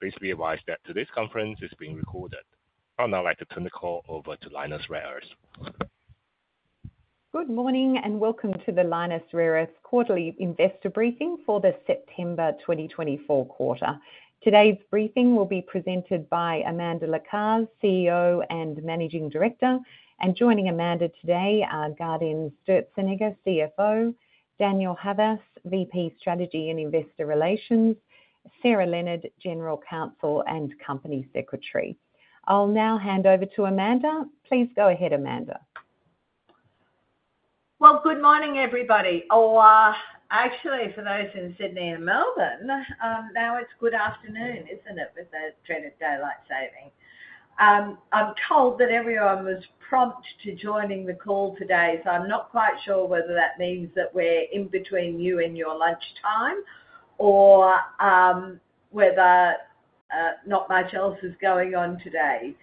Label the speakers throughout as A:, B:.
A: Please be advised that today's conference is being recorded. I'd now like to turn the call over to Lynas Rare Earths. Good morning and welcome to the Lynas Rare Earths Quarterly Investor Briefing for the September 2024 quarter. Today's briefing will be presented by Amanda Lacaze, CEO and Managing Director, and joining Amanda today are Gaudenz Sturzenegger, CFO, Daniel Havas, VP Strategy and Investor Relations, Sarah Leonard, General Counsel and Company Secretary. I'll now hand over to Amanda. Please go ahead, Amanda.
B: Good morning, everybody. Or, actually, for those in Sydney and Melbourne, now it's good afternoon, isn't it, with the dreaded daylight saving? I'm told that everyone was prompt to join the call today, so I'm not quite sure whether that means that we're in between you and your lunchtime or whether not much else is going on today.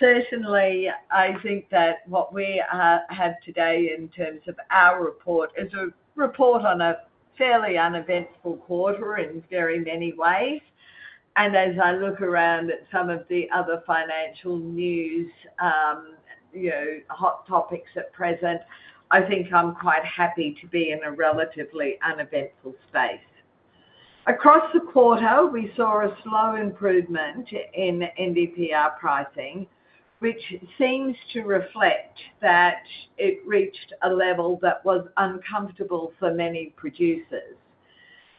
B: Certainly, I think that what we have today in terms of our report is a report on a fairly uneventful quarter in very many ways. And as I look around at some of the other financial news, hot topics at present, I think I'm quite happy to be in a relatively uneventful space. Across the quarter, we saw a slow improvement in NdPr pricing, which seems to reflect that it reached a level that was uncomfortable for many producers.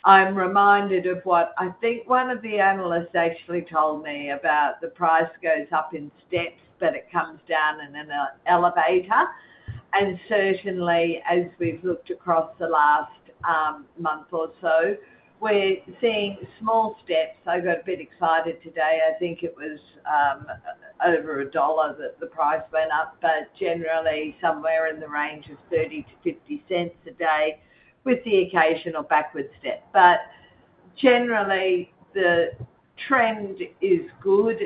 B: I'm reminded of what I think one of the analysts actually told me about the price goes up in steps, but it comes down in an elevator. Certainly, as we've looked across the last month or so, we're seeing small steps. I got a bit excited today. I think it was over AUD 1 that the price went up, but generally, somewhere in the range of 0.30-0.50 a day, with the occasional backward step, but generally, the trend is good,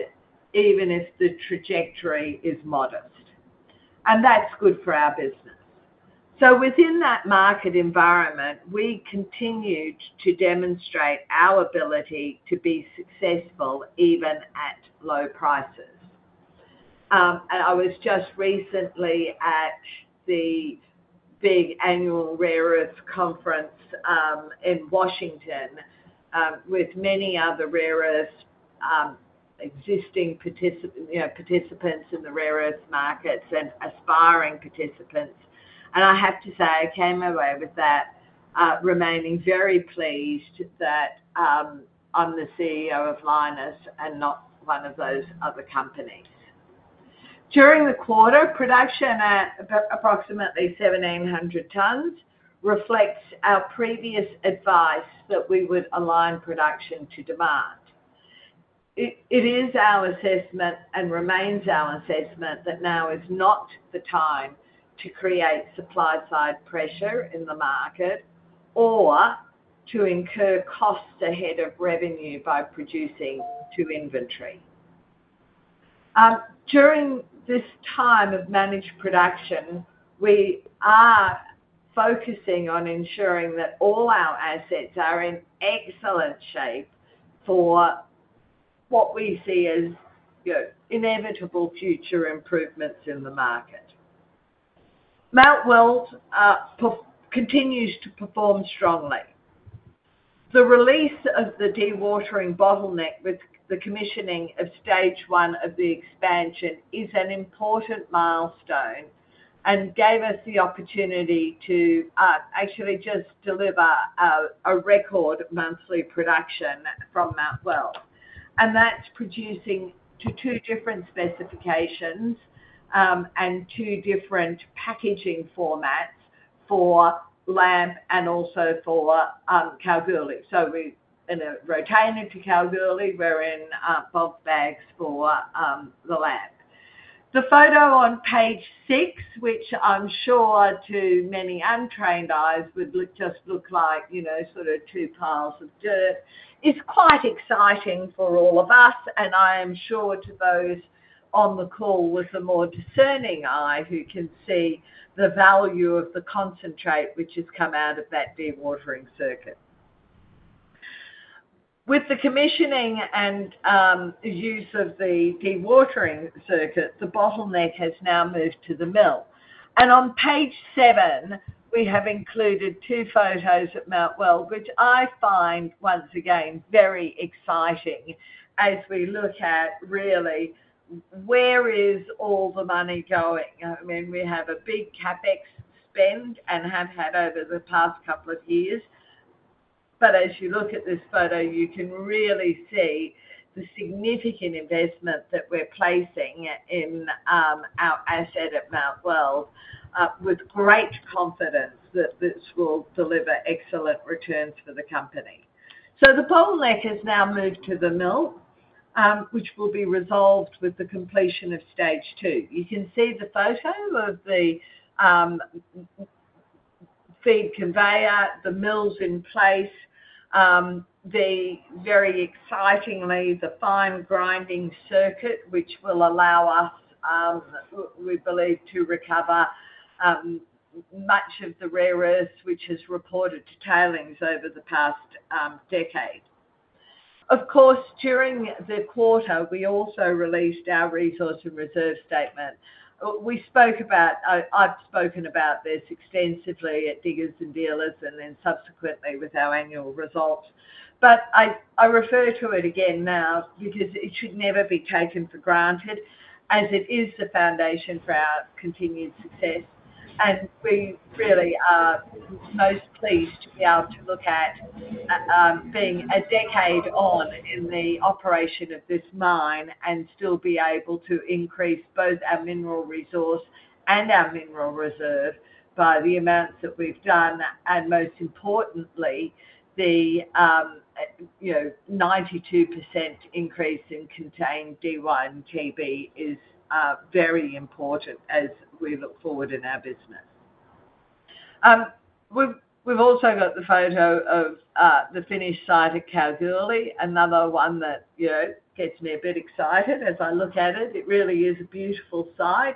B: even if the trajectory is modest. That's good for our business, so within that market environment, we continue to demonstrate our ability to be successful even at low prices. I was just recently at the big annual Rare Earths Conference in Washington, with many other rare earths existing participants in the rare earths markets and aspiring participants. I have to say I came away with that remaining very pleased that I'm the CEO of Lynas and not one of those other companies. During the quarter, production at approximately 1,700 tons reflects our previous advice that we would align production to demand. It is our assessment and remains our assessment that now is not the time to create supply-side pressure in the market or to incur costs ahead of revenue by producing to inventory. During this time of managed production, we are focusing on ensuring that all our assets are in excellent shape for what we see as inevitable future improvements in the market. Mt Weld continues to perform strongly. The release of the dewatering bottleneck with the commissioning of stage one of the expansion is an important milestone and gave us the opportunity to actually just deliver a record monthly production from Mt Weld. And that's producing to two different specifications and two different packaging formats for LAMP and also for Kalgoorlie. So we're in a container to Kalgoorlie, we're in bulk bags for the LAMP. The photo on page six, which I'm sure to many untrained eyes would just look like sort of two piles of dirt, is quite exciting for all of us. And I am sure to those on the call with a more discerning eye who can see the value of the concentrate which has come out of that dewatering circuit. With the commissioning and use of the dewatering circuit, the bottleneck has now moved to the mill. And on page seven, we have included two photos at Mt Weld, which I find once again very exciting as we look at really where is all the money going. I mean, we have a big CapEx spend and have had over the past couple of years. But as you look at this photo, you can really see the significant investment that we're placing in our asset at Mt Weld with great confidence that this will deliver excellent returns for the company. So the bottleneck has now moved to the mill, which will be resolved with the completion of stage two. You can see the photo of the feed conveyor, the mills in place, very excitingly the fine grinding circuit, which will allow us, we believe, to recover much of the rare earths which has reported to tailings over the past decade. Of course, during the quarter, we also released our resource and reserve statement. I've spoken about this extensively at Diggers & Dealers and then subsequently with our annual results. But I refer to it again now because it should never be taken for granted as it is the foundation for our continued success. And we really are most pleased to be able to look at being a decade on in the operation of this mine and still be able to increase both our mineral resource and our mineral reserve by the amounts that we've done. And most importantly, the 92% increase in contained Dy and Tb is very important as we look forward in our business. We've also got the photo of the finished site at Kalgoorlie, another one that gets me a bit excited as I look at it. It really is a beautiful site.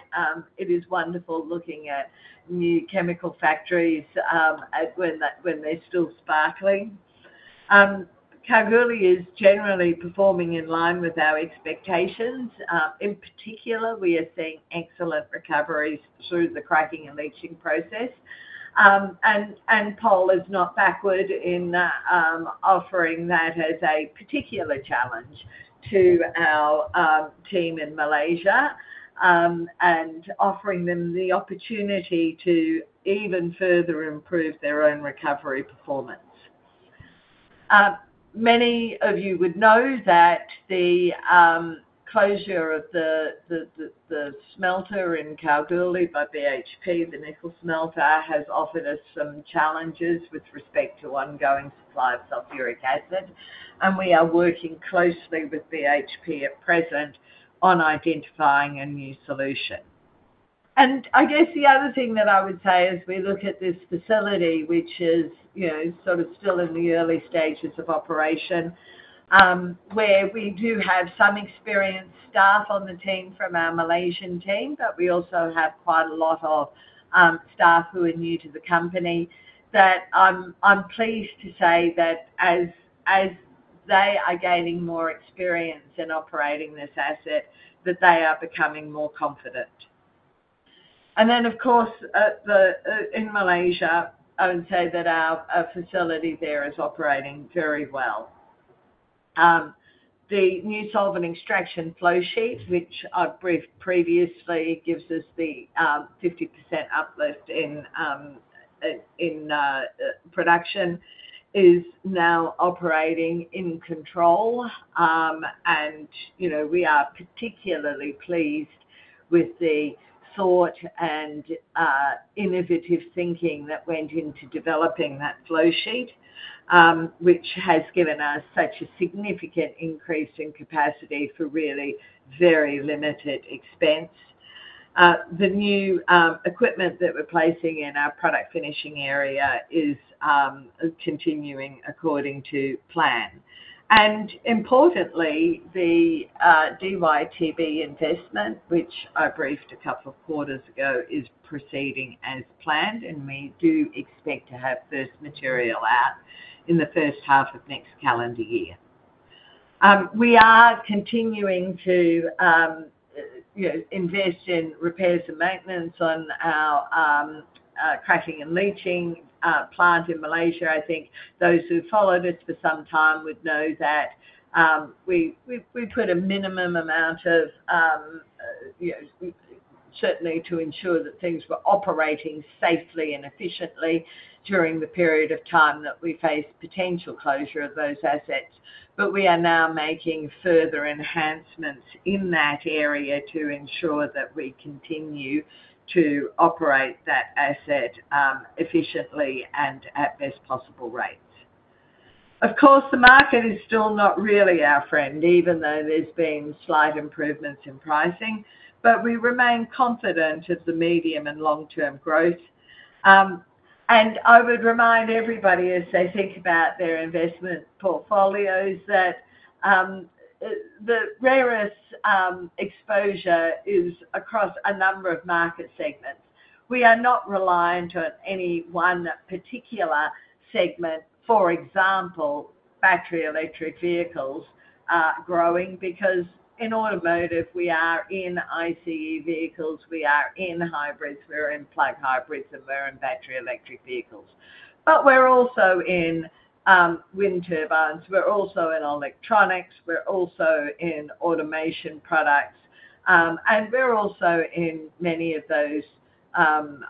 B: It is wonderful looking at new chemical factories when they're still sparkling. Kalgoorlie is generally performing in line with our expectations. In particular, we are seeing excellent recoveries through the cracking and leaching process, and Pol is not backward in offering that as a particular challenge to our team in Malaysia and offering them the opportunity to even further improve their own recovery performance. Many of you would know that the closure of the smelter in Kalgoorlie by BHP, the nickel smelter, has offered us some challenges with respect to ongoing supply of sulfuric acid, and we are working closely with BHP at present on identifying a new solution. And I guess the other thing that I would say as we look at this facility, which is sort of still in the early stages of operation, where we do have some experienced staff on the team from our Malaysian team, but we also have quite a lot of staff who are new to the company, that I'm pleased to say that as they are gaining more experience in operating this asset, that they are becoming more confident. And then, of course, in Malaysia, I would say that our facility there is operating very well. The new Solvent Extraction flow sheet, which I've briefed previously, gives us the 50% uplift in production, is now operating in control. And we are particularly pleased with the thought and innovative thinking that went into developing that flow sheet, which has given us such a significant increase in capacity for really very limited expense. The new equipment that we're placing in our product finishing area is continuing according to plan. And importantly, the DyTb investment, which I briefed a couple of quarters ago, is proceeding as planned, and we do expect to have first material out in the first half of next calendar year. We are continuing to invest in repairs and maintenance on our cracking and leaching plant in Malaysia. I think those who followed us for some time would know that we put a minimum amount, certainly, to ensure that things were operating safely and efficiently during the period of time that we faced potential closure of those assets. But we are now making further enhancements in that area to ensure that we continue to operate that asset efficiently and at best possible rates. Of course, the market is still not really our friend, even though there's been slight improvements in pricing, but we remain confident of the medium and long-term growth, and I would remind everybody as they think about their investment portfolios that the rare earths' exposure is across a number of market segments. We are not reliant on any one particular segment, for example, battery electric vehicles growing, because in automotive we are in ICE vehicles, we are in hybrids, we're in plug hybrids, and we're in battery electric vehicles, but we're also in wind turbines, we're also in electronics, we're also in automation products, and we're also in many of those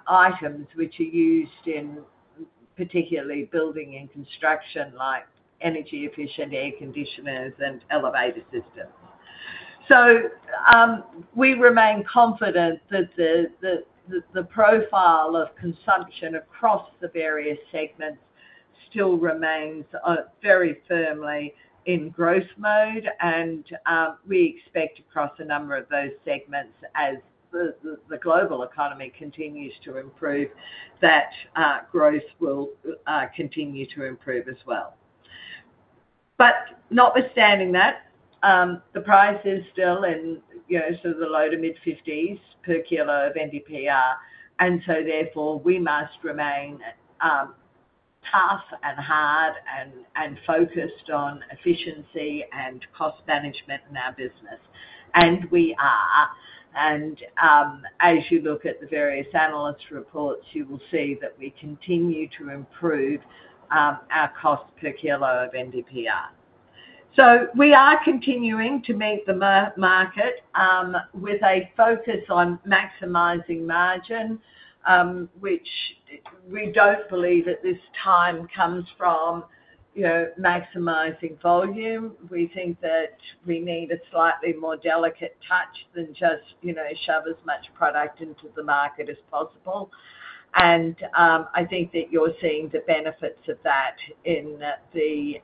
B: items which are used in particularly building and construction like energy-efficient air conditioners and elevator systems. So we remain confident that the profile of consumption across the various segments still remains very firmly in growth mode, and we expect across a number of those segments as the global economy continues to improve that growth will continue to improve as well. But notwithstanding that, the price is still in sort of the low to mid-50s per kilo of NdPr, and so therefore we must remain tough and hard and focused on efficiency and cost management in our business. And we are. And as you look at the various analyst reports, you will see that we continue to improve our cost per kilo of NdPr. So we are continuing to meet the market with a focus on maximizing margin, which we don't believe at this time comes from maximizing volume. We think that we need a slightly more delicate touch than just shove as much product into the market as possible, and I think that you're seeing the benefits of that in the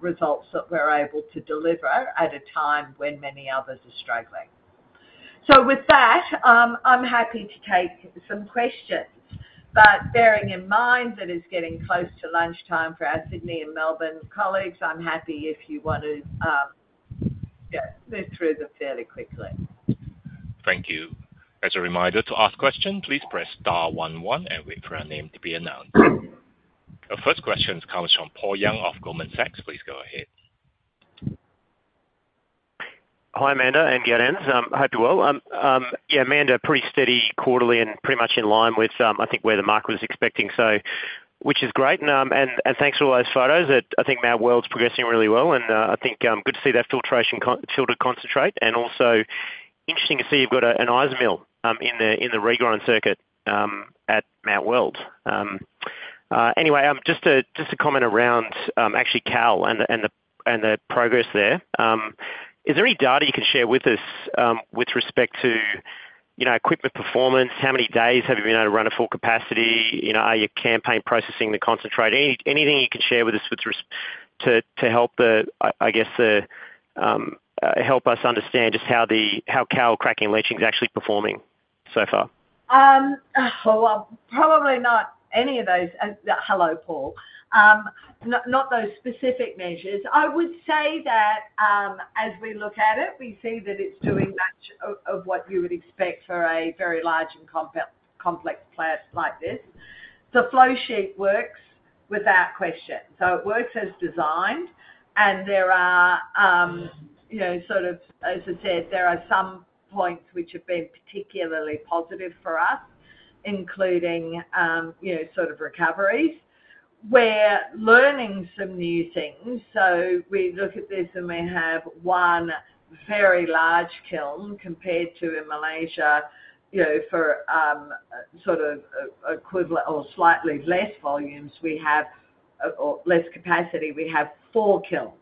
B: results that we're able to deliver at a time when many others are struggling, so with that, I'm happy to take some questions, but bearing in mind that it's getting close to lunchtime for our Sydney and Melbourne colleagues, I'm happy if you want to move through them fairly quickly.
A: Thank you. As a reminder, to ask questions, please press star one one and wait for your name to be announced. Our first question comes from Paul Young of Goldman Sachs. Please go ahead.
C: Hi, Amanda and Gaudenz. Hope you're well. Yeah, Amanda, pretty steady quarterly and pretty much in line with, I think, where the market was expecting, which is great, and thanks for all those photos. I think Mt Weld's progressing really well, and I think good to see that filtered concentrate. And also interesting to see you've got an IsaMill in the regrinding circuit at Mt Weld. Anyway, just a comment around actually Kal and the progress there. Is there any data you can share with us with respect to equipment performance? How many days have you been able to run at full capacity? Are you campaign processing the concentrate? Anything you can share with us to help us understand just how Kal cracking and leaching is actually performing so far?
B: Probably not any of those. Hello, Paul. Not those specific measures. I would say that as we look at it, we see that it's doing much of what you would expect for a very large and complex plant like this. The flow sheet works without question. So it works as designed, and there are sort of, as I said, there are some points which have been particularly positive for us, including sort of recoveries where learning some new things. So we look at this, and we have one very large kiln compared to in Malaysia for sort of equivalent or slightly less volumes. We have less capacity. We have four kilns.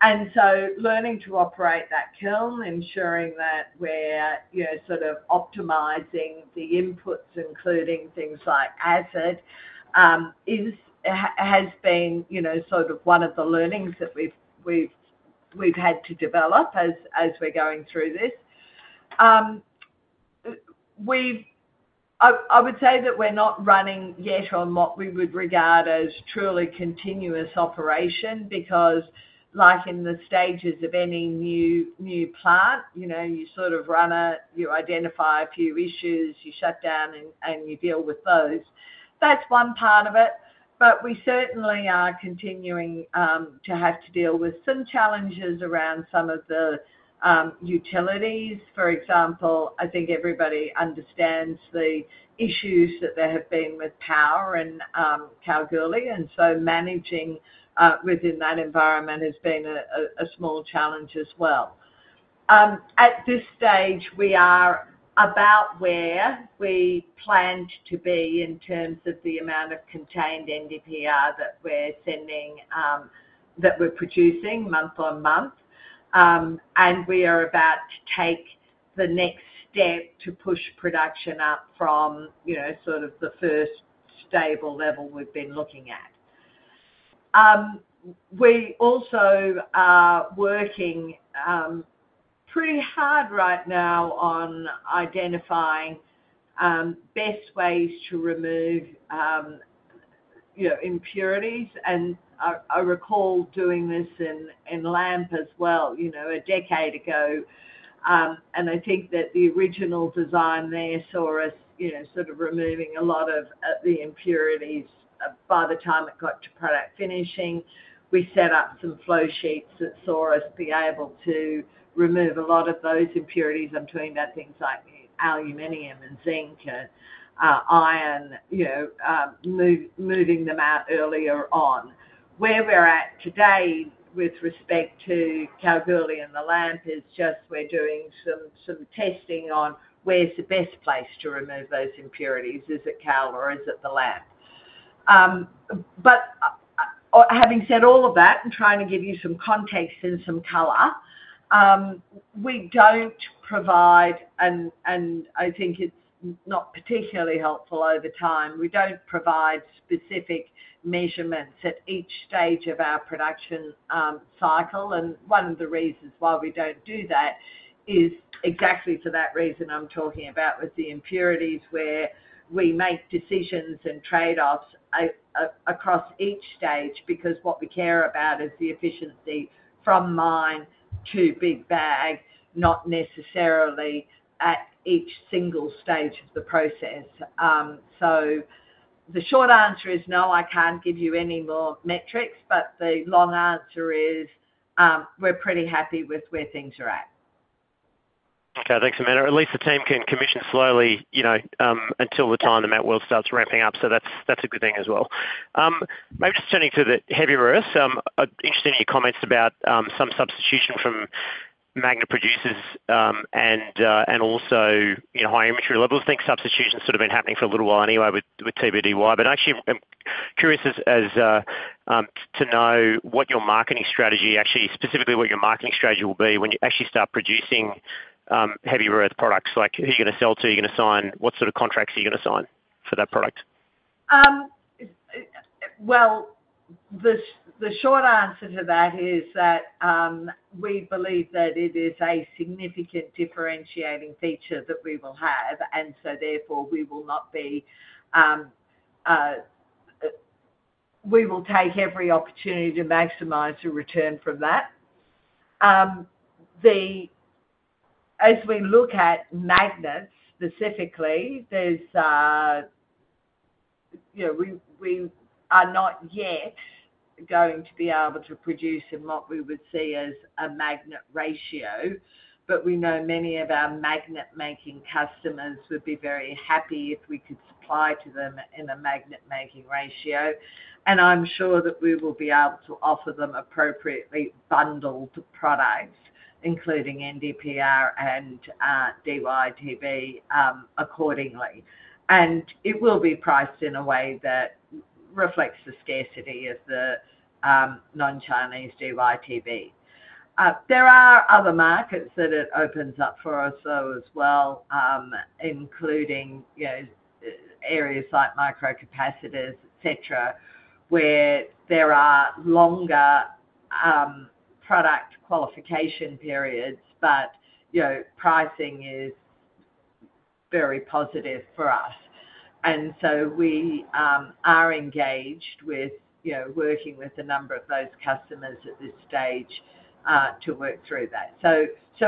B: And so learning to operate that kiln, ensuring that we're sort of optimizing the inputs, including things like acid, has been sort of one of the learnings that we've had to develop as we're going through this. I would say that we're not running yet on what we would regard as truly continuous operation because like in the stages of any new plant, you sort of run it, you identify a few issues, you shut down, and you deal with those. That's one part of it. But we certainly are continuing to have to deal with some challenges around some of the utilities. For example, I think everybody understands the issues that there have been with power in Kalgoorlie, and so managing within that environment has been a small challenge as well. At this stage, we are about where we planned to be in terms of the amount of contained NdPr that we're producing month on month. And we are about to take the next step to push production up from sort of the first stable level we've been looking at. We also are working pretty hard right now on identifying best ways to remove impurities. And I recall doing this in LAMP as well a decade ago. I think that the original design there saw us sort of removing a lot of the impurities by the time it got to product finishing. We set up some flow sheets that saw us be able to remove a lot of those impurities. I'm talking about things like aluminum and zinc and iron, moving them out earlier on. Where we're at today with respect to Kalgoorlie and the LAMP is just we're doing some testing on where's the best place to remove those impurities. Is it Kal or is it the LAMP? But having said all of that and trying to give you some context and some color, we don't provide an, and I think it's not particularly helpful over time, we don't provide specific measurements at each stage of our production cycle. One of the reasons why we don't do that is exactly for that reason I'm talking about with the impurities, where we make decisions and trade-offs across each stage, because what we care about is the efficiency from mine to big bag, not necessarily at each single stage of the process. So the short answer is no, I can't give you any more metrics, but the long answer is we're pretty happy with where things are at.
C: Okay. Thanks, Amanda. At least the team can commission slowly until the time that Mt Weld starts ramping up. So that's a good thing as well. Maybe just turning to the heavier earths, interested in your comments about some substitution from magnet producers and also higher inventory levels. I think substitution's sort of been happening for a little while anyway with TbDy. Actually, I'm curious to know what your marketing strategy, actually specifically what your marketing strategy will be when you actually start producing Heavy Rare Earths products. Who are you going to sell to? Are you going to sign? What sort of contracts are you going to sign for that product?
B: The short answer to that is that we believe that it is a significant differentiating feature that we will have, and so therefore we will take every opportunity to maximize the return from that. As we look at magnets specifically, we are not yet going to be able to produce in what we would see as a magnet ratio, but we know many of our magnet-making customers would be very happy if we could supply to them in a magnet-making ratio. I'm sure that we will be able to offer them appropriately bundled products, including NdPr and DyTb accordingly. It will be priced in a way that reflects the scarcity of the non-Chinese DyTb. There are other markets that it opens up for us, though as well, including areas like microcapacitors, etc., where there are longer product qualification periods, but pricing is very positive for us. So we are engaged with working with a number of those customers at this stage to work through that.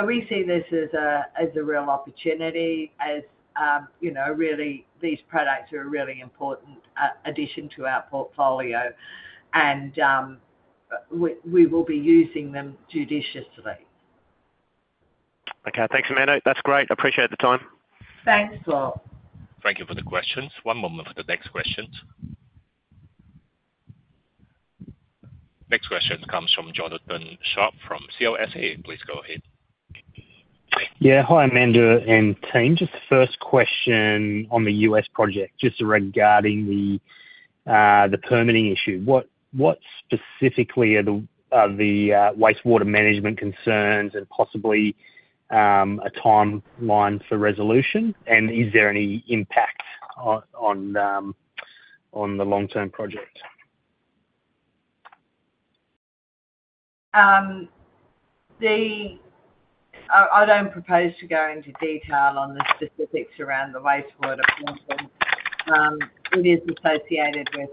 B: We see this as a real opportunity as really these products are a really important addition to our portfolio, and we will be using them judiciously.
C: Okay. Thanks, Amanda. That's great. Appreciate the time.
B: Thanks, Paul.
A: Thank you for the questions. One moment for the next questions. Next question comes from Jonathan Sharp from CLSA. Please go ahead.
D: Yeah. Hi, Amanda and team. Just the first question on the U.S. project, just regarding the permitting issue. What specifically are the wastewater management concerns and possibly a timeline for resolution? And is there any impact on the long-term project?
B: I don't propose to go into detail on the specifics around the wastewater problem. It is associated with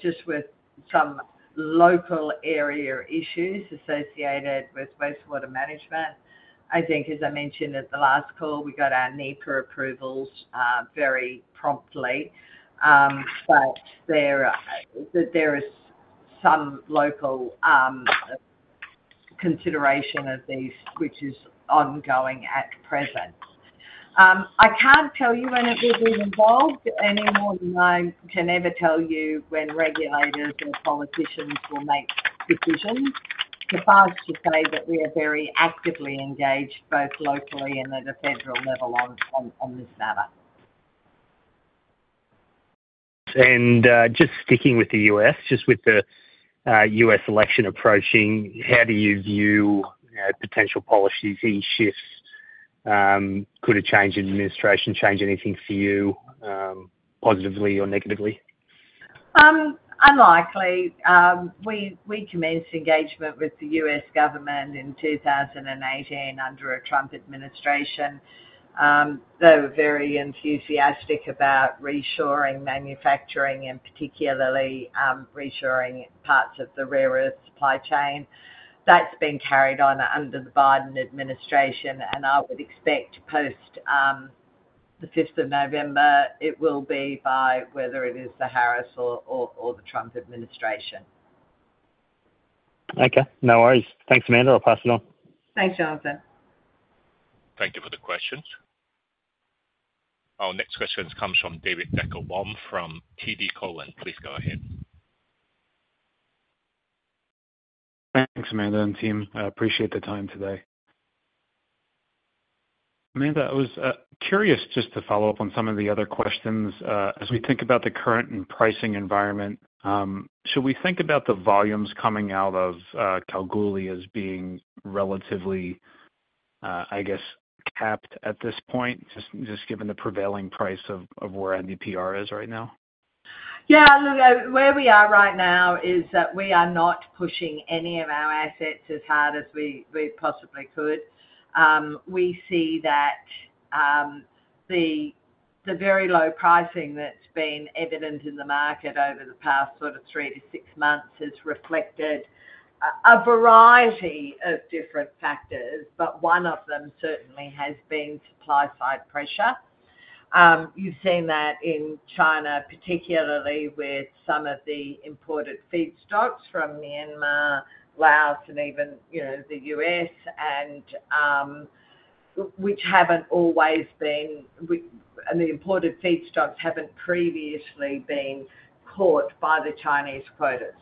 B: just some local area issues associated with wastewater management. I think, as I mentioned at the last call, we got our NEPA approvals very promptly, but there is some local consideration of these, which is ongoing at present. I can't tell you when it will be resolved. No one can ever tell you when regulators or politicians will make decisions. It's hard to say that we are very actively engaged both locally and at a federal level on this matter.
D: Just sticking with the U.S., just with the U.S. election approaching, how do you view potential policy shifts? Could a change in administration change anything for you positively or negatively?
B: Unlikely. We commenced engagement with the U.S. government in 2018 under Trump administration. They were very enthusiastic about reshoring manufacturing and particularly reshoring parts of the Rare Earths supply chain. That's been carried on under the Biden administration, and I would expect post the 5th of November, it will be the same whether it is the Harris or the Trump administration.
D: Okay. No worries. Thanks, Amanda. I'll pass it on.
B: Thanks, Jonathan.
A: Thank you for the questions. Our next question comes from David Deckelbaum from TD Cowen. Please go ahead.
E: Thanks, Amanda and team. Appreciate the time today. Amanda, I was curious just to follow up on some of the other questions. As we think about the current pricing environment, should we think about the volumes coming out of Kalgoorlie as being relatively, I guess, capped at this point, just given the prevailing price of where NdPr is right now?
B: Yeah. Look, where we are right now is that we are not pushing any of our assets as hard as we possibly could. We see that the very low pricing that's been evident in the market over the past sort of three to six months has reflected a variety of different factors, but one of them certainly has been supply-side pressure. You've seen that in China, particularly with some of the imported feedstocks from Myanmar, Laos, and even the U.S., which haven't always been and the imported feedstocks haven't previously been caught by the Chinese quotas.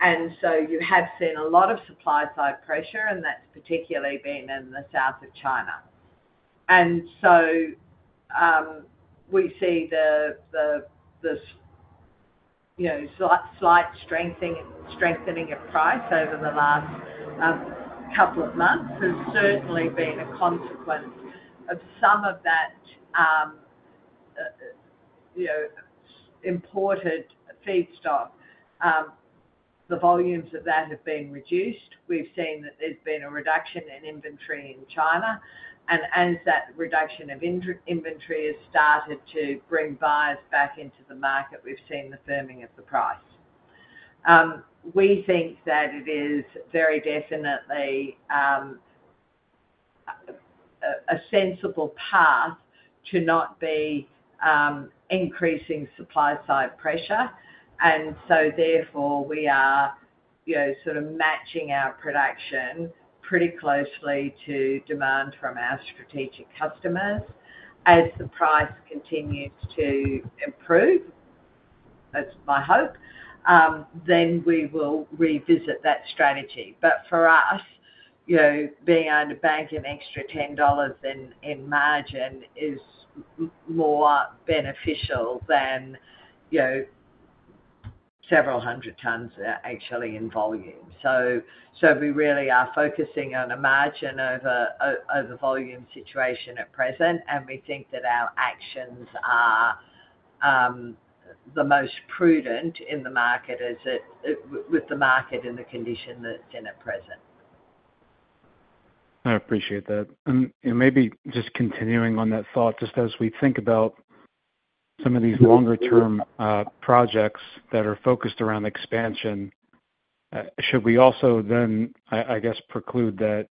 B: And so you have seen a lot of supply-side pressure, and that's particularly been in the south of China. And so we see the slight strengthening of price over the last couple of months has certainly been a consequence of some of that imported feedstock. The volumes of that have been reduced. We've seen that there's been a reduction in inventory in China. And as that reduction of inventory has started to bring buyers back into the market, we've seen the firming of the price. We think that it is very definitely a sensible path to not be increasing supply-side pressure. And so, therefore, we are sort of matching our production pretty closely to demand from our strategic customers. As the price continues to improve, that's my hope, then we will revisit that strategy. But, for us, being able to bank an extra 10 dollars in margin is more beneficial than several hundred tons actually in volume. So we really are focusing on a margin over volume situation at present, and we think that our actions are the most prudent in the market with the market in the condition that it's in at present.
E: I appreciate that. And maybe just continuing on that thought, just as we think about some of these longer-term projects that are focused around expansion, should we also then, I guess, preclude that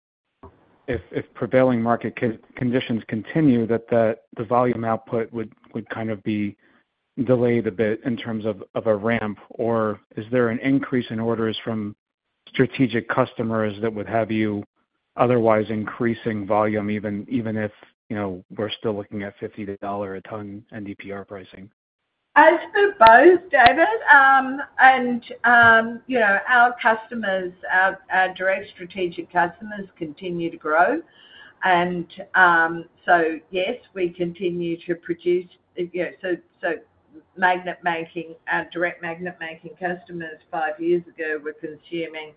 E: if prevailing market conditions continue, that the volume output would kind of be delayed a bit in terms of a ramp? Or is there an increase in orders from strategic customers that would have you otherwise increasing volume even if we're still looking at 50 dollar a ton NdPr pricing?
B: I suppose, David. Our customers, our direct strategic customers, continue to grow. And so yes, we continue to produce. So, direct magnet-making customers five years ago were consuming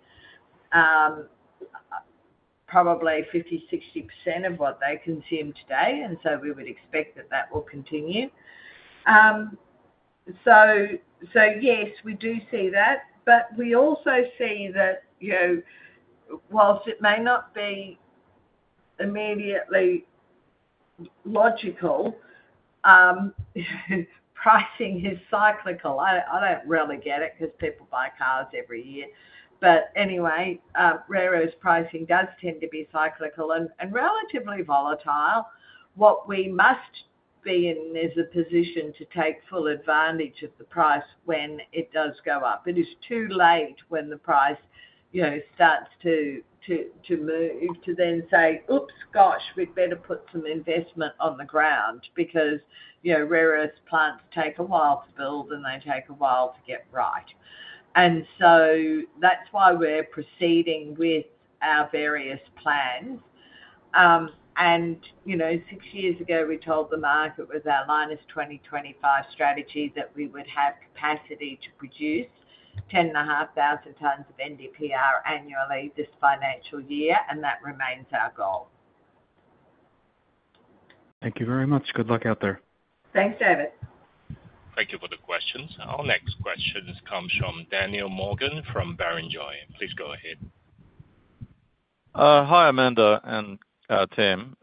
B: probably 50%-60% of what they consume today, and so we would expect that that will continue. So yes, we do see that. But we also see that whilst it may not be immediately logical, pricing is cyclical. I don't really get it because people buy cars every year. But anyway, rare earth pricing does tend to be cyclical and relatively volatile. What we must be in is a position to take full advantage of the price when it does go up. It is too late when the price starts to move to then say, "Oops, gosh, we'd better put some investment on the ground because Rare Earths plants take a while to build and they take a while to get right," and so that's why we're proceeding with our various plans, and six years ago, we told the market with our Lynas 2025 strategy that we would have capacity to produce 10,500 tons of NdPr annually this financial year, and that remains our goal.
E: Thank you very much. Good luck out there.
B: Thanks, David.
A: Thank you for the questions. Our next question comes from Daniel Morgan from Barrenjoey. Please go ahead.
F: Hi, Amanda and team.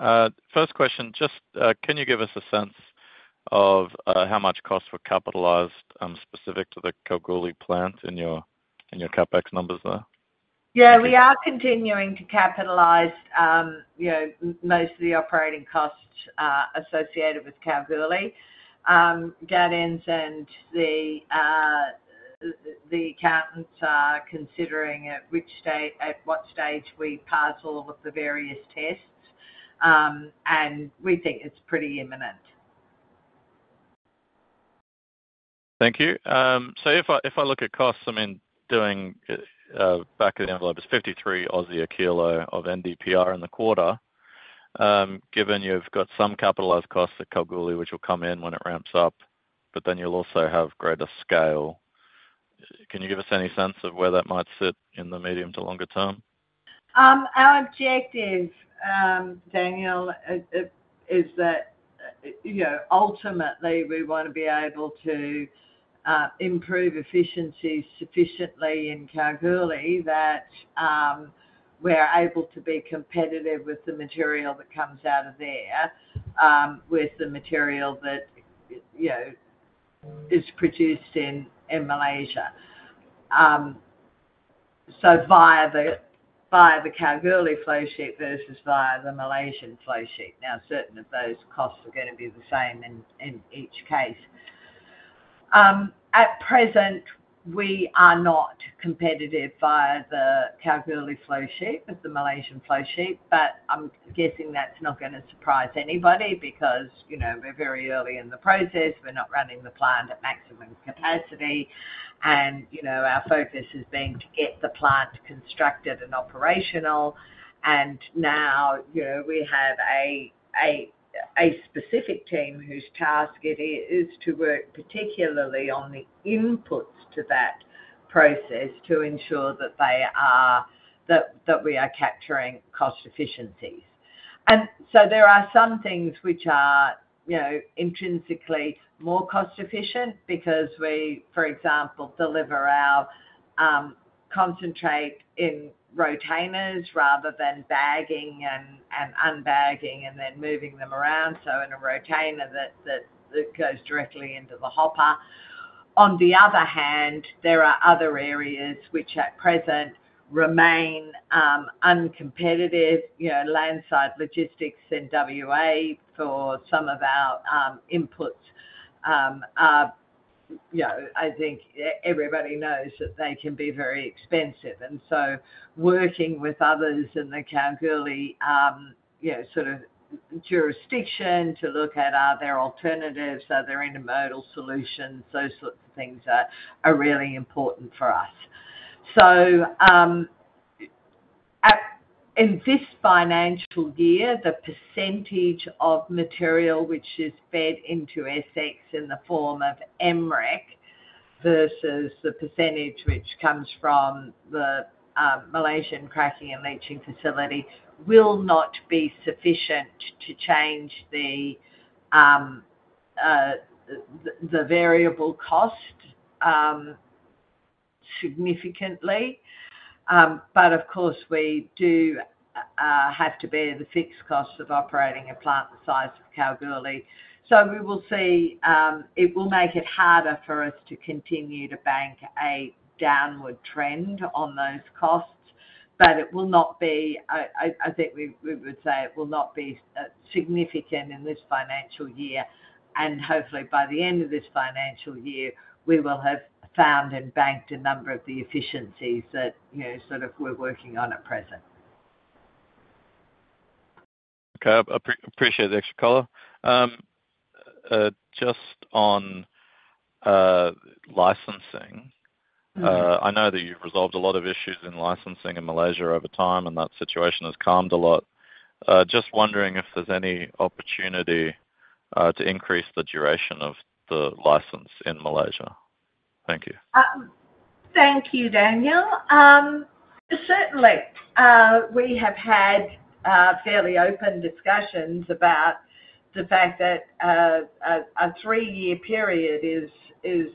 F: First question, just can you give us a sense of how much costs were capitalized specific to the Kalgoorlie plant in your CapEx numbers there?
B: Yeah. We are continuing to capitalize most of the operating costs associated with Kalgoorlie. Gaudenz and the accountants are considering at what stage we capitalize the various costs, and we think it's pretty imminent.
F: Thank you. So if I look at costs, I mean, back of the envelope is 53 a kilo of NdPr in the quarter, given you've got some capitalized costs at Kalgoorlie, which will come in when it ramps up, but then you'll also have greater scale. Can you give us any sense of where that might sit in the medium to longer term?
B: Our objective, Daniel, is that ultimately we want to be able to improve efficiencies sufficiently in Kalgoorlie that we're able to be competitive with the material that comes out of there, with the material that is produced in Malaysia. So via the Kalgoorlie flowsheet versus via the Malaysian flowsheet. Now, certain of those costs are going to be the same in each case. At present, we are not competitive via the Kalgoorlie flowsheet with the Malaysian flowsheet, but I'm guessing that's not going to surprise anybody because we're very early in the process. We're not running the plant at maximum capacity, and our focus has been to get the plant constructed and operational. And now we have a specific team whose task it is to work particularly on the inputs to that process to ensure that we are capturing cost efficiencies. And so there are some things which are intrinsically more cost-efficient because we, for example, deliver our concentrate in containers rather than bagging and unbagging and then moving them around. So in a container that goes directly into the hopper. On the other hand, there are other areas which at present remain uncompetitive. Landside logistics in WA for some of our inputs, I think everybody knows that they can be very expensive, and so working with others in the Kalgoorlie sort of jurisdiction to look at, are there alternatives? Are there intermodal solutions? Those sorts of things are really important for us, so in this financial year, the percentage of material which is fed into SX in the form of MREC versus the percentage which comes from the Malaysian Cracking and Leaching facility will not be sufficient to change the variable cost significantly. But of course, we do have to bear the fixed costs of operating a plant the size of Kalgoorlie, so we will see it will make it harder for us to continue to bank a downward trend on those costs, but it will not be, I think we would say it will not be significant in this financial year. Hopefully, by the end of this financial year, we will have found and banked a number of the efficiencies that sort of we're working on at present.
F: Okay. I appreciate the extra color. Just on licensing, I know that you've resolved a lot of issues in licensing in Malaysia over time, and that situation has calmed a lot. Just wondering if there's any opportunity to increase the duration of the license in Malaysia. Thank you.
B: Thank you, Daniel. Certainly, we have had fairly open discussions about the fact that a three-year period is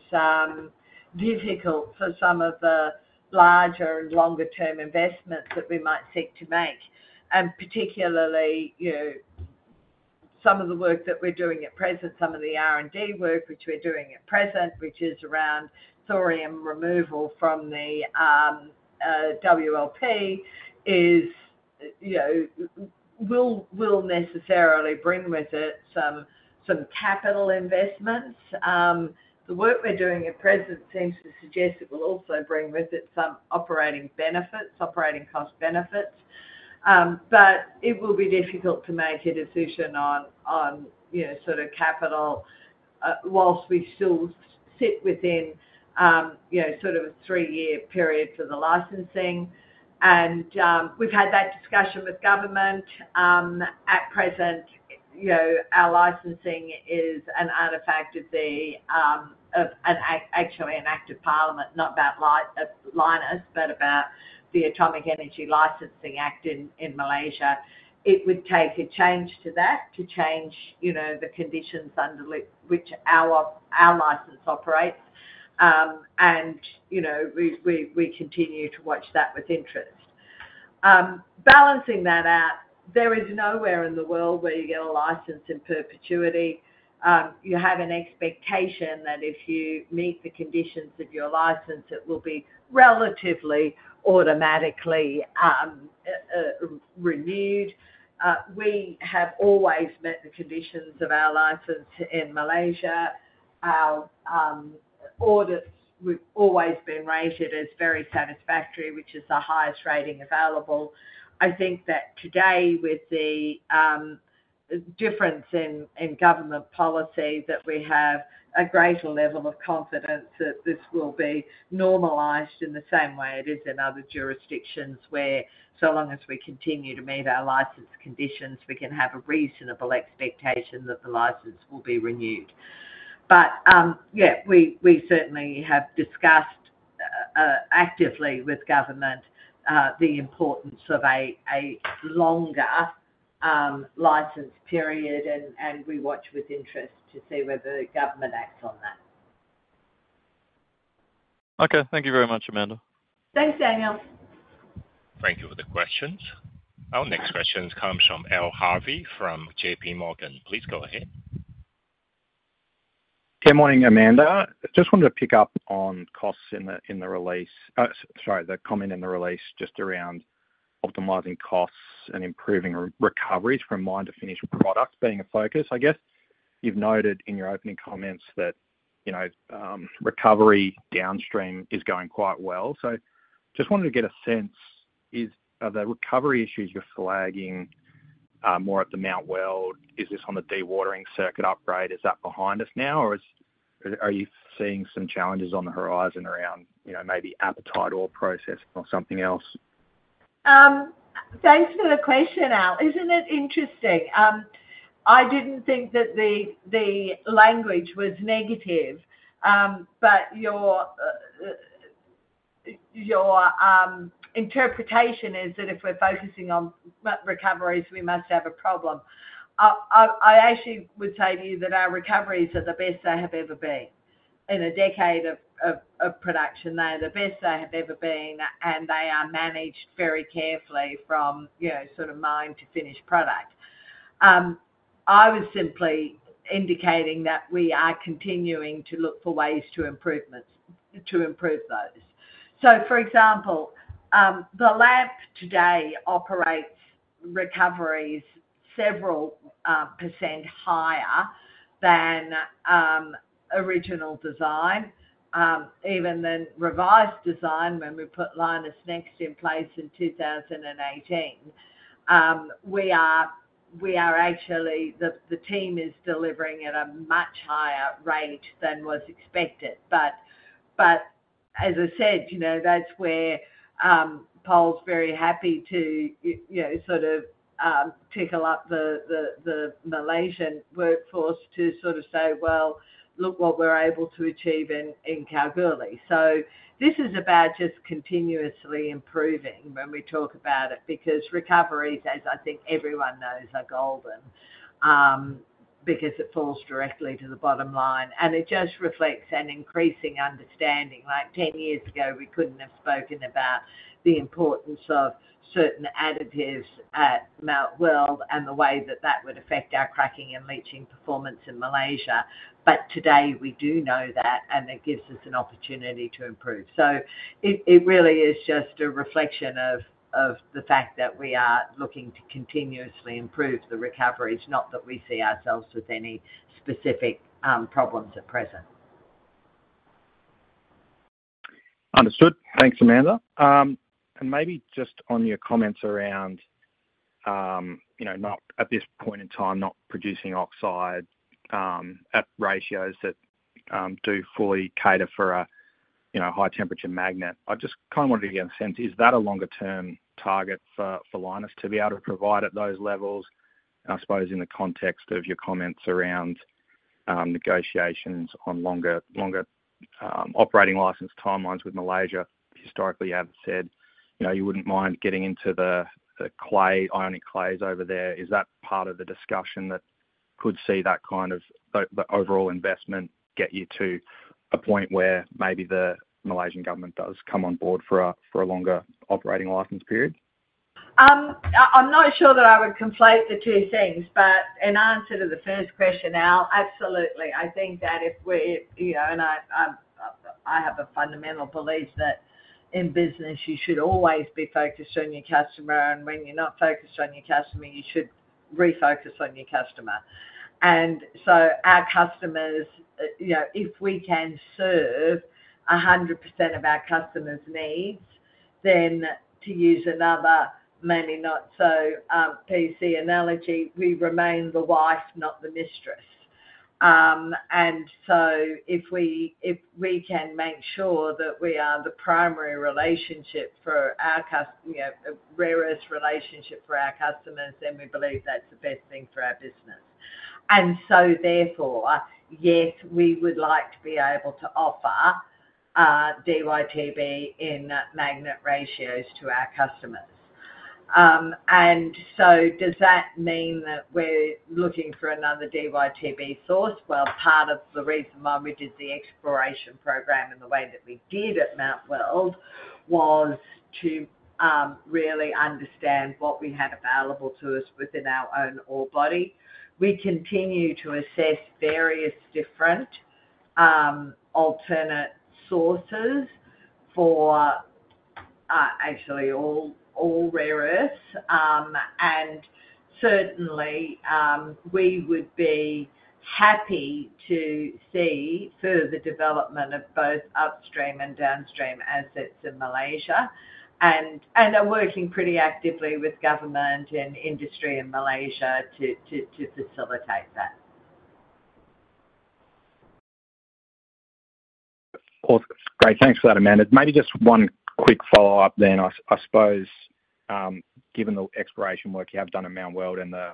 B: difficult for some of the larger and longer-term investments that we might seek to make. And particularly, some of the work that we're doing at present, some of the R&D work which we're doing at present, which is around thorium removal from the WLP, will necessarily bring with it some capital investments. The work we're doing at present seems to suggest it will also bring with it some operating benefits, operating cost benefits. But it will be difficult to make a decision on sort of capital whilst we still sit within sort of a three-year period for the licensing. And we've had that discussion with government. At present, our licensing is an artifact of actually an act of parliament, not about Lynas, but about the Atomic Energy Licensing Act in Malaysia. It would take a change to that to change the conditions under which our license operates. And we continue to watch that with interest. Balancing that out, there is nowhere in the world where you get a license in perpetuity. You have an expectation that if you meet the conditions of your license, it will be relatively automatically renewed. We have always met the conditions of our license in Malaysia. Our audits have always been rated as very satisfactory, which is the highest rating available. I think that today, with the difference in government policy that we have, a greater level of confidence that this will be normalized in the same way it is in other jurisdictions where, so long as we continue to meet our license conditions, we can have a reasonable expectation that the license will be renewed. But yeah, we certainly have discussed actively with government the importance of a longer license period, and we watch with interest to see whether the government acts on that.
F: Okay. Thank you very much, Amanda.
B: Thanks, Daniel.
A: Thank you for the questions. Our next question comes from Al Harvey from JPMorgan. Please go ahead.
G: Good morning, Amanda. Just wanted to pick up on costs in the release, sorry, the comment in the release just around optimizing costs and improving recovery from minor finished products being a focus, I guess. You've noted in your opening comments that recovery downstream is going quite well. So, just wanted to get a sense, are the recovery issues you're flagging more at the Mt Weld? Is this on the dewatering circuit upgrade? Is that behind us now? Or are you seeing some challenges on the horizon around maybe appetite or processing or something else?
B: Thanks for the question, Al. Isn't it interesting? I didn't think that the language was negative, but your interpretation is that if we're focusing on recoveries, we must have a problem. I actually would say to you that our recoveries are the best they have ever been. In a decade of production, they are the best they have ever been, and they are managed very carefully from sort of mine to finished product. I was simply indicating that we are continuing to look for ways to improve those. So, for example, the plant today operates recoveries several % higher than original design, even than revised design when we put Lynas NEXT in place in 2018. We are actually, the team is delivering at a much higher rate than was expected. But as I said, that's where Pol's very happy to sort of tickle up the Malaysian workforce to sort of say, "Well, look what we're able to achieve in Kalgoorlie." So this is about just continuously improving when we talk about it because recoveries, as I think everyone knows, are golden because it falls directly to the bottom line. And it just reflects an increasing understanding. Like 10 years ago, we couldn't have spoken about the importance of certain additives at Mt Weld and the way that that would affect our Cracking and Leaching performance in Malaysia. But today, we do know that, and it gives us an opportunity to improve. So it really is just a reflection of the fact that we are looking to continuously improve the recoveries, not that we see ourselves with any specific problems at present.
G: Understood. Thanks, Amanda. And maybe just on your comments around, at this point in time, not producing oxide at ratios that do fully cater for a high-temperature magnet. I just kind of wanted to get a sense, is that a longer-term target for Lynas to be able to provide at those levels? I suppose in the context of your comments around negotiations on longer operating license timelines with Malaysia, historically, you have said you wouldn't mind getting into the ionic clays over there. Is that part of the discussion that could see that kind of the overall investment get you to a point where maybe the Malaysian government does come on board for a longer operating license period?
B: I'm not sure that I would conflate the two things, but in answer to the first question, Al, absolutely. I think that if we and I have a fundamental belief that in business, you should always be focused on your customer, and when you're not focused on your customer, you should refocus on your customer. And so our customers, if we can serve 100% of our customers' needs, then to use another many-not-so-PC analogy, we remain the wife, not the mistress. And so if we can make sure that we are the primary relationship for our Rare Earths relationship for our customers, then we believe that's the best thing for our business. And so therefore, yes, we would like to be able to offer DyTb in magnet ratios to our customers. And so does that mean that we're looking for another DyTb source? Well, part of the reason why we did the exploration program and the way that we did at Mt Weld was to really understand what we had available to us within our own ore body. We continue to assess various different alternate sources for actually all rare earths. And certainly, we would be happy to see further development of both upstream and downstream assets in Malaysia. And I'm working pretty actively with government and industry in Malaysia to facilitate that.
G: Of course. Great. Thanks for that, Amanda. Maybe just one quick follow-up then. I suppose, given the exploration work you have done at Mt Weld and the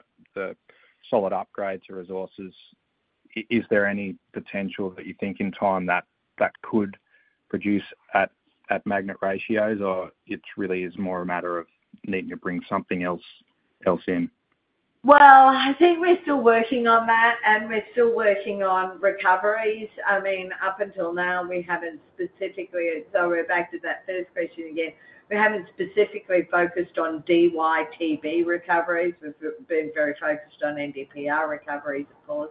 G: solid upgrades of resources, is there any potential that you think in time that could produce at magnet ratios, or it really is more a matter of needing to bring something else in?
B: Well, I think we're still working on that, and we're still working on recoveries. I mean, up until now, we haven't specifically, sorry, back to that first question again, we haven't specifically focused on DyTb recoveries. We've been very focused on NdPr recoveries, of course,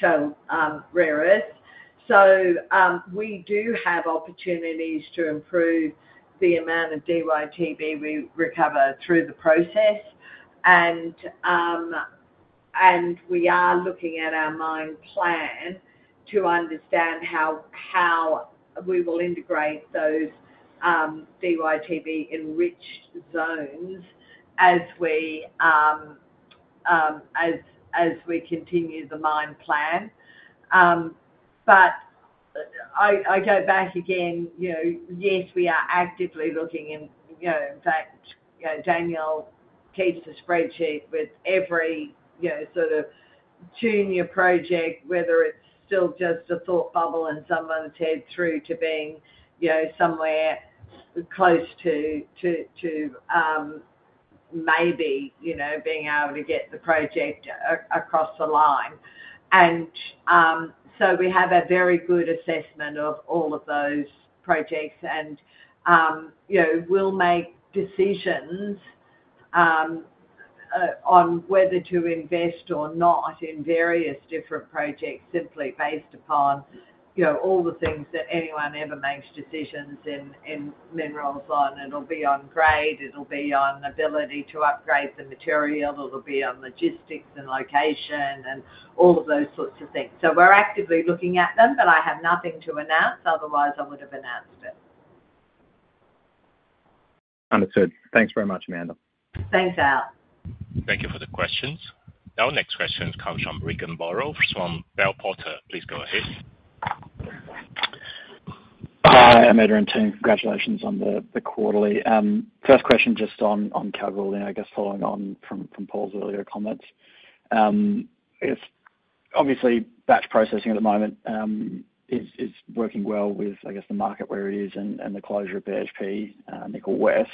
B: and rare earths. So we do have opportunities to improve the amount of DyTb we recover through the process. And we are looking at our mine plan to understand how we will integrate those DyTb-enriched zones as we continue the mine plan. But I go back again. Yes, we are actively looking in. In fact, Daniel keeps a spreadsheet with every sort of junior project, whether it's still just a thought bubble in someone's head, through to being somewhere close to maybe being able to get the project across the line. And so we have a very good assessment of all of those projects. And we'll make decisions on whether to invest or not in various different projects simply based upon all the things that anyone ever makes decisions in minerals. And it'll be on grade. It'll be on ability to upgrade the material. It'll be on logistics, and location and all of those sorts of things. So we're actively looking at them, but I have nothing to announce. Otherwise, I would have announced it.
G: Understood. Thanks very much, Amanda.
B: Thanks, Al.
A: Thank you for the questions. Our next question comes from Regan Burrows from Bell Potter. Please go ahead.
H: Hi, Amanda and team. Congratulations on the quarterly. First question just on Kalgoorlie, I guess, following on from Paul's earlier comments. Obviously, batch processing at the moment is working well with, I guess, the market where it is and the closure of BHP Nickel West.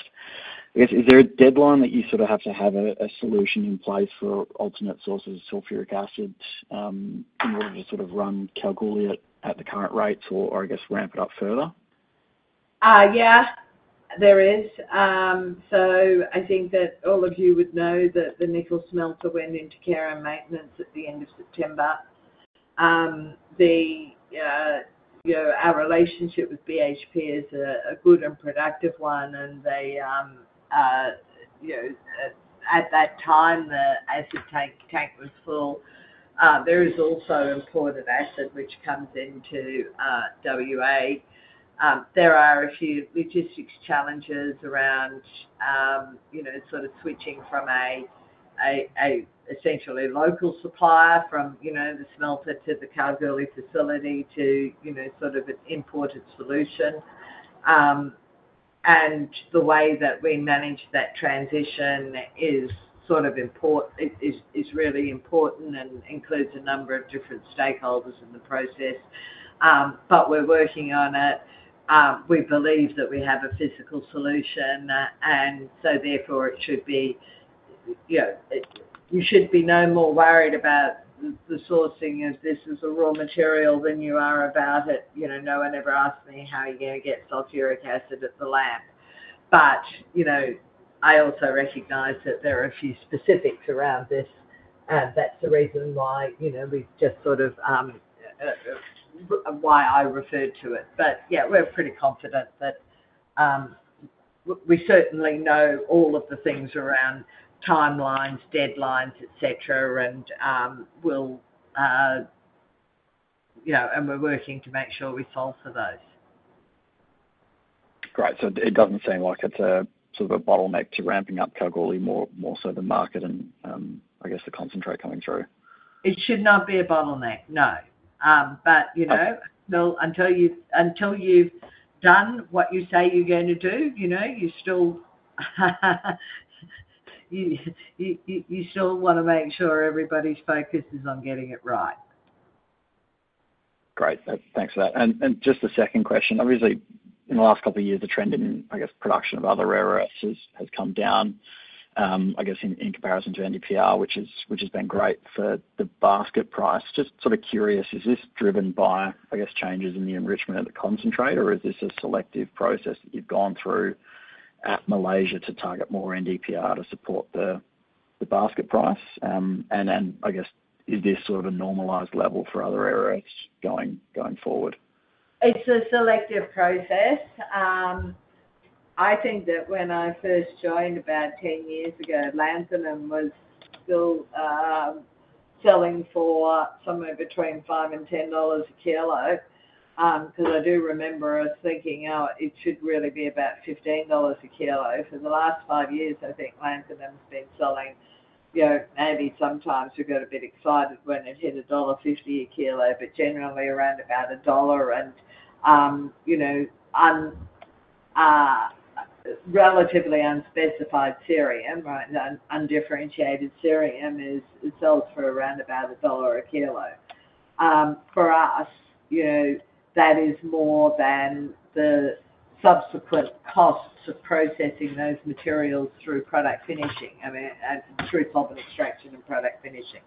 H: Is there a deadline that you sort of have to have a solution in place for alternate sources of sulfuric acid in order to sort of run Kalgoorlie at the current rates or, I guess, ramp it up further?
B: Yeah, there is. So I think that all of you would know that the nickel smelter went into care and maintenance at the end of September. Our relationship with BHP is a good and productive one, and at that time, the acid tank was full. There is also imported acid, which comes into WA. There are a few logistics challenges around sort of switching from an essentially local supplier from the smelter to the Kalgoorlie facility to sort of an imported solution. The way that we manage that transition is sort of really important and includes a number of different stakeholders in the process. But we're working on it. We believe that we have a physical solution. So therefore, it should be you should be no more worried about the sourcing of this as a raw material than you are about it. No one ever asked me how you're going to get sulfuric acid at LAMP. But I also recognize that there are a few specifics around this. That's the reason why we've just sort of I referred to it. But yeah, we're pretty confident that we certainly know all of the things around timelines, deadlines, etc., and we're working to make sure we solve for those.
H: Great. So it doesn't seem like it's a sort of a bottleneck to ramping up Kalgoorlie, more so the market and, I guess, the concentrate coming through.
B: It should not be a bottleneck, no. But until you've done what you say you're going to do, you still want to make sure everybody's focus is on getting it right.
H: Great. Thanks for that. And just a second question. Obviously, in the last couple of years, the trend in, I guess, production of other rare earths has come down, I guess, in comparison to NdPr, which has been great for the basket price. Just sort of curious, is this driven by, I guess, changes in the enrichment of the concentrate, or is this a selective process that you've gone through at Malaysia to target more NdPr to support the basket price? And then, I guess, is this sort of a normalized level for other rare earths going forward?
B: It's a selective process. I think that when I first joined about 10 years ago, Lanthanum was still selling for somewhere between 5-10 dollars a kilo because I do remember us thinking, "Oh, it should really be about 15 dollars a kilo." For the last five years, I think Lanthanum's been selling, maybe sometimes we got a bit excited when it hit dollar 1.50 a kilo, but generally around about AUD 1. And relatively unspecified cerium, undifferentiated cerium, is sold for around about AUD 1 a kilo. For us, that is more than the subsequent costs of processing those materials through product finishing, I mean, through pulp and extraction and product finishing.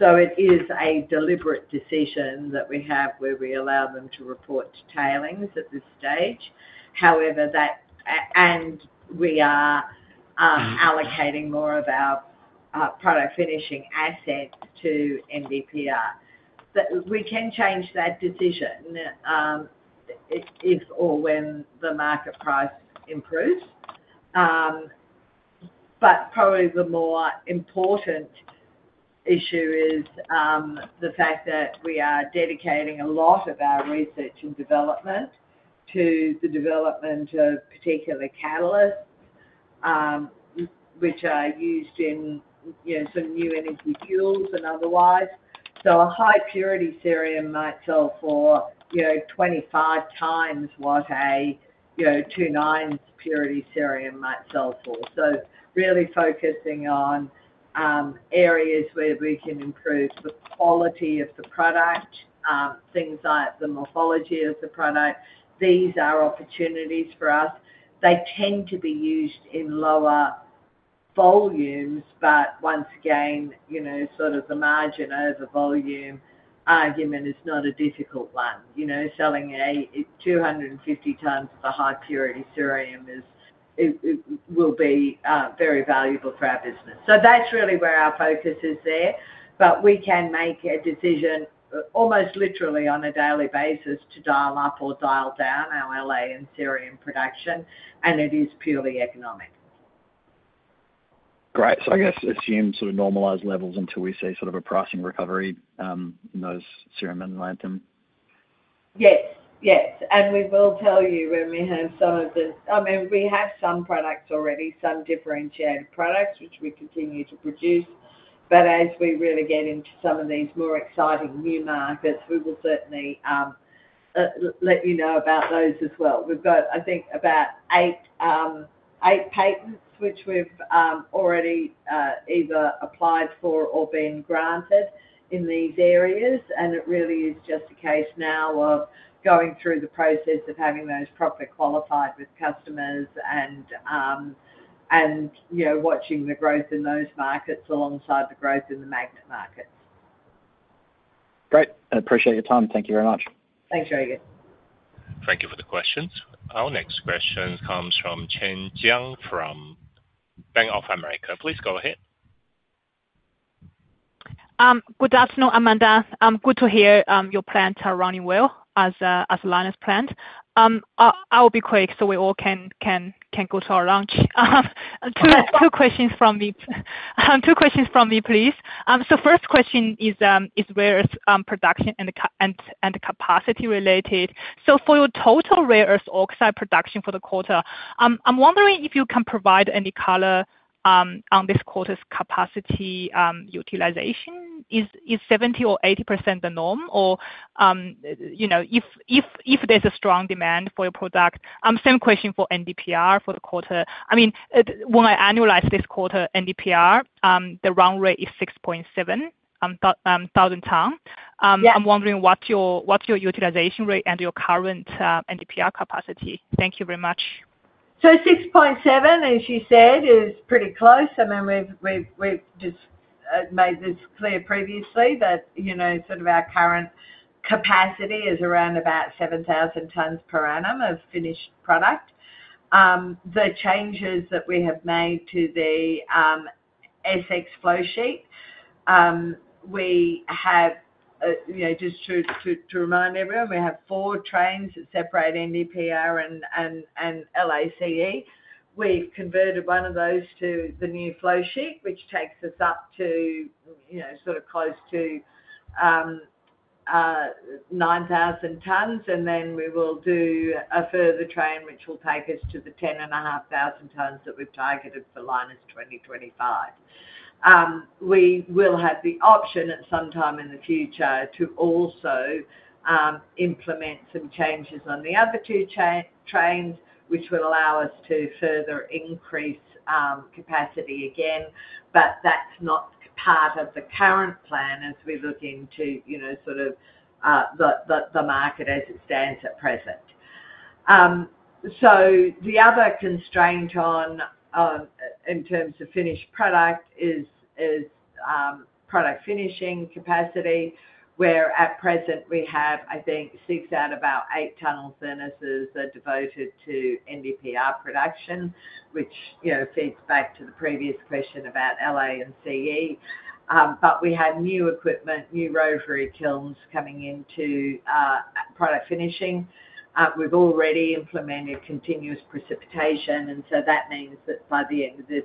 B: So it is a deliberate decision that we have where we allow them to report to tailings at this stage. However, that and we are allocating more of our product finishing assets to NdPr. We can change that decision if or when the market price improves. But probably the more important issue is the fact that we are dedicating a lot of our research and development to the development of particular catalysts, which are used in some new energy fuels and otherwise. So a high-purity cerium might sell for 25 times what a 2-9 purity cerium might sell for. So really focusing on areas where we can improve the quality of the product, things like the morphology of the product. These are opportunities for us. They tend to be used in lower volumes, but once again, sort of the margin over volume argument is not a difficult one. Selling 250 times the high-purity cerium will be very valuable for our business. So that's really where our focus is there. But we can make a decision almost literally on a daily basis to dial up or dial down our LA and cerium production, and it is purely economic.
H: Great. So I guess assume sort of normalized levels until we see sort of a pricing recovery in those cerium and lanthanum.
B: Yes. Yes, and we will tell you when we have some of them. I mean, we have some products already, some differentiated products, which we continue to produce. But as we really get into some of these more exciting new markets, we will certainly let you know about those as well. We've got, I think, about eight patents, which we've already either applied for or been granted in these areas. And it really is just a case now of going through the process of having those properly qualified with customers and watching the growth in those markets alongside the growth in the magnet markets.
H: Great. I appreciate your time. Thank you very much.
B: Thanks, Regan.
A: Thank you for the questions. Our next question comes from Chen Jiang from Bank of America. Please go ahead.
I: Good afternoon, Amanda. Good to hear your plans are running well at the Lynas plant. I'll be quick so we all can go to our lunch. Two questions from me. Two questions from me, please. So, first question is rare earth production and capacity related. For your total rare earth oxide production for the quarter, I'm wondering if you can provide any color on this quarter's capacity utilization. Is 70% or 80% the norm? Or if there's a strong demand for your product? Same question for NdPr for the quarter. I mean, when I annualize this quarter, NdPr, the run rate is 6,700 tons. I'm wondering what's your utilization rate and your current NdPr capacity? Thank you very much.
B: So 6,700 tons, as you said, is pretty close. I mean, we've just made this clear previously that sort of our current capacity is around about 7,000 tons per annum of finished product. The changes that we have made to the SX flow sheet, we have just to remind everyone, we have four trains that separate NdPr and LaCe. We've converted one of those to the new flow sheet, which takes us up to sort of close to 9,000 tons, and then we will do a further train, which will take us to the 10,500 tons that we've targeted for Lynas 2025. We will have the option at some time in the future to also implement some changes on the other two trains, which will allow us to further increase capacity again, but that's not part of the current plan as we look into sort of the market as it stands at present, so the other constraint in terms of finished product is product finishing capacity, where at present we have, I think, six out of our eight tunnel furnaces that are devoted to NdPr production, which feeds back to the previous question about La and Ce, but we have new equipment, new rotary kilns coming into product finishing. We've already implemented continuous precipitation, and so that means that by the end of this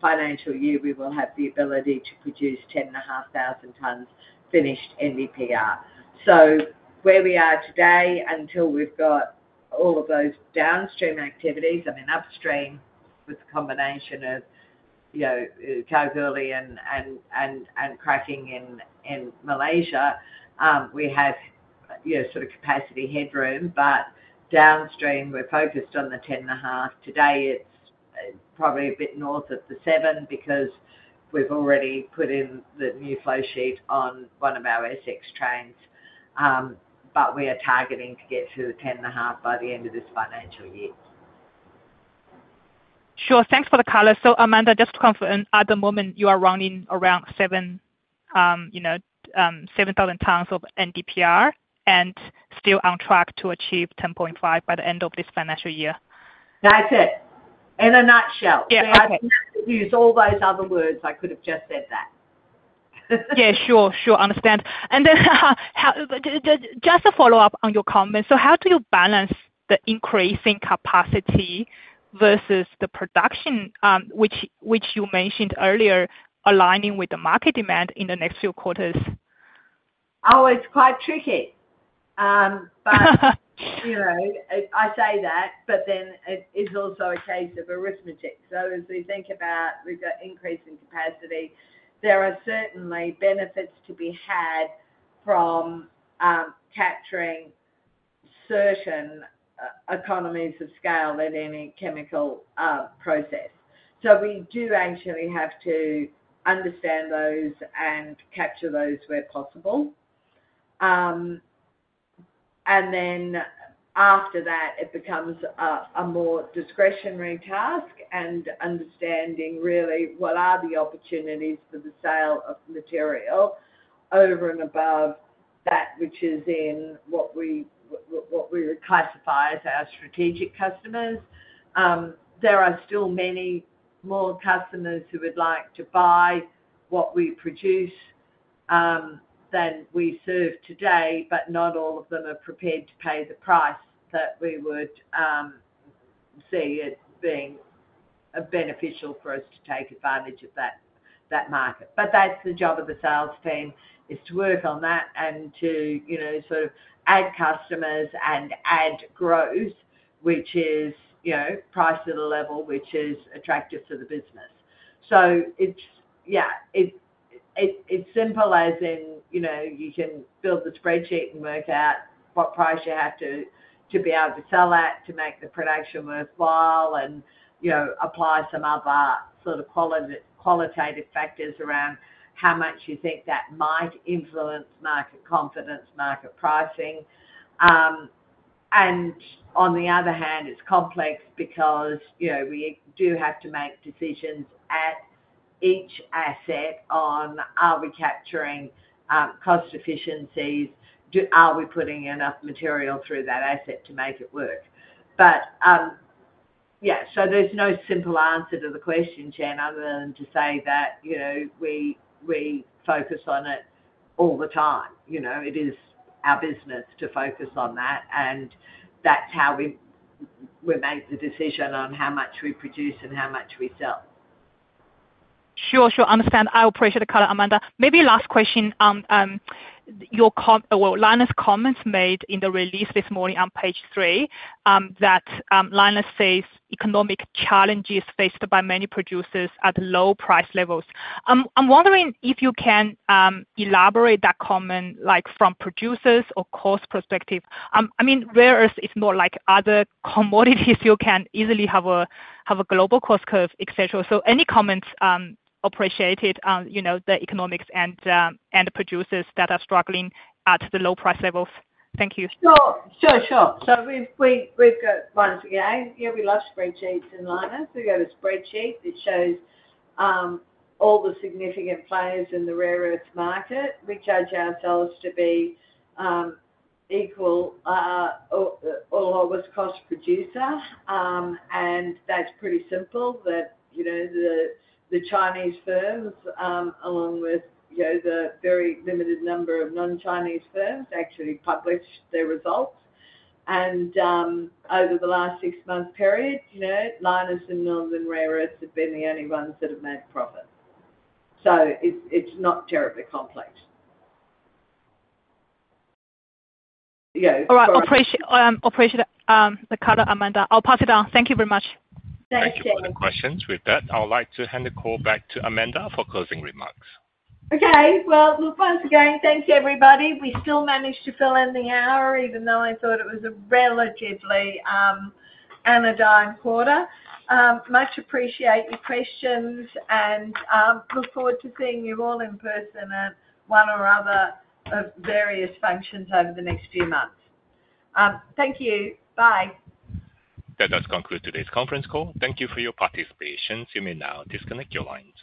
B: financial year, we will have the ability to produce 10,500 tons finished NdPr, so where we are today, until we've got all of those downstream activities, I mean, upstream with the combination of Kalgoorlie and cracking in Malaysia, we have sort of capacity headroom, but downstream, we're focused on the 10,500 tons. Today, it's probably a bit north of the 7,000 tons because we've already put in the new flow sheet on one of our SX trains, but we are targeting to get to the 10,500 tons by the end of this financial year.
I: Sure. Thanks for the color. So, Amanda, just to confirm, at the moment, you are running around 7,000 tons of NdPr and still on track to achieve 10,500 tons by the end of this financial year?
B: That's it. In a nutshell. If I could use all those other words, I could have just said that.
I: Yeah, sure. Sure. Understand. And then just to follow up on your comments, so how do you balance the increasing capacity versus the production, which you mentioned earlier, aligning with the market demand in the next few quarters?
B: Oh, it's quite tricky. But I say that, but then it's also a case of arithmetic. So as we think about we've got increasing capacity, there are certainly benefits to be had from capturing certain economies of scale in any chemical process. So we do actually have to understand those and capture those where possible. And then after that, it becomes a more discretionary task and understanding really what are the opportunities for the sale of material over and above that which is in what we would classify as our strategic customers. There are still many more customers who would like to buy what we produce than we serve today, but not all of them are prepared to pay the price that we would see it being beneficial for us to take advantage of that market. But that's the job of the sales team, is to work on that and to sort of add customers and add growth, which is price at a level which is attractive to the business. So yeah, it's simple as in you can build the spreadsheet and work out what price you have to be able to sell at to make the production worthwhile and apply some other sort of qualitative factors around how much you think that might influence market confidence, market pricing. And on the other hand, it's complex because we do have to make decisions at each asset on, are we capturing cost efficiencies? Are we putting enough material through that asset to make it work? But yeah, so there's no simple answer to the question, Chen, other than to say that we focus on it all the time. It is our business to focus on that. And that's how we make the decision on how much we produce and how much we sell.
I: Sure. Sure. Understand. I appreciate the color, Amanda. Maybe last question, your Lynas comments made in the release this morning on page three that Lynas says economic challenges faced by many producers at low price levels. I'm wondering if you can elaborate that comment from producers or cost perspective. I mean, Rare Earths is more like other commodities. You can easily have a global cost curve, etc. So any comments appreciated on the economics and the producers that are struggling at the low price levels? Thank you.
B: Sure. Sure. Sure. So we've got one again. Yeah, we love spreadsheets in Lynas. We've got a spreadsheet that shows all the significant players in the rare earth market. We judge ourselves to be equal or almost lowest cost producer. And that's pretty simple that the Chinese firms, along with the very limited number of non-Chinese firms, actually published their results. And over the last six-month period, Lynas and Northern Rare Earths have been the only ones that have made profits. So it's not terribly complex.
I: Yeah. All right. Appreciate the color, Amanda. I'll pass it on. Thank you very much.
B: Thanks, Chen.
A: Thanks for the questions. With that, I'd like to hand the call back to Amanda for closing remarks.
B: Okay. Well, look, once again, thank you, everybody. We still managed to fill in the hour, even though I thought it was a relatively anodyne quarter. Much appreciate your questions and look forward to seeing you all in person at one or other of various functions over the next few months. Thank you. Bye.
A: That does conclude today's conference call. Thank you for your participation. You may now disconnect your lines.